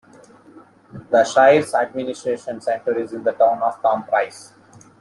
The shire's administration centre is in the town of Tom Price.